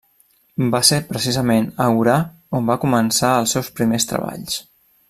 Va ser precisament a Orà on va començar els seus primers treballs.